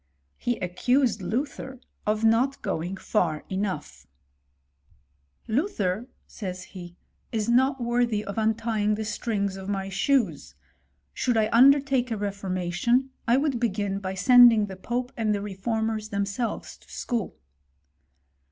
He accused Luther of not going far enoughi; " Luther, says he, " is not worthy of untying the strings of my shoes : should I undertake a reformatioQ^ I would begin by sending the pope and the reformeni themselves to school."